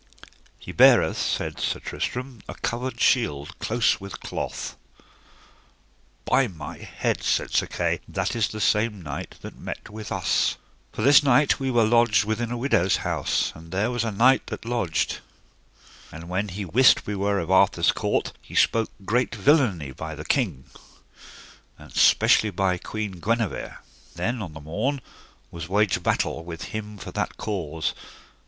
He beareth, said Sir Tristram, a covered shield close with cloth. By my head, said Sir Kay, that is the same knight that met with us, for this night we were lodged within a widow's house, and there was that knight lodged; and when he wist we were of Arthur's court he spoke great villainy by the king, and specially by the Queen Guenever, and then on the morn was waged battle with him for that cause.